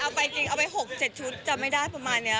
เอาไปจริงเอาไป๖๗ชุดจำไม่ได้ประมาณนี้